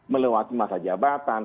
melewati masa jabatan